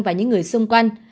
và những người xung quanh